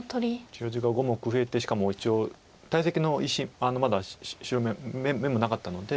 白地が５目増えてしかも一応大石の石まだ白眼もなかったので。